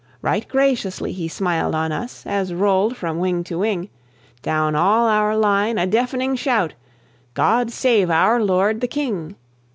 Right graciously he smiled on us, as rolled from wing to wing, Down all our line, a deafening shout, "God save our Lord the King!"